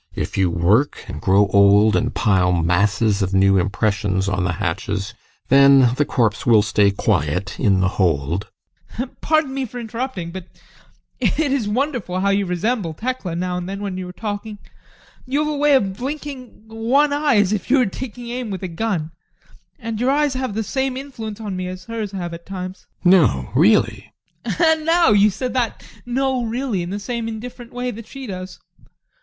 If you work, and grow old, and pile masses of new impressions on the hatches, then the corpse will stay quiet in the hold. ADOLPH. Pardon me for interrupting you, but it is wonderful how you resemble Tekla now and then while you are talking. You have a way of blinking one eye as if you were taking aim with a gun, and your eyes have the same influence on me as hers have at times. GUSTAV. No, really? ADOLPH. And now you said that "no, really" in the same indifferent way that she does.